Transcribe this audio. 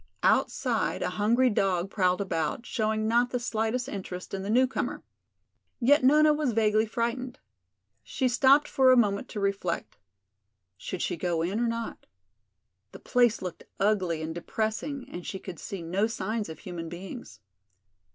Outside a hungry dog prowled about, showing not the slightest interest in the newcomer. Yet Nona was vaguely frightened. She stopped for a moment to reflect. Should she go in or not? The place looked ugly and depressing and she could see no signs of human beings.